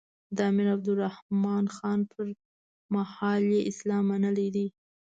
د امیر عبدالرحمان خان پر مهال یې اسلام منلی دی.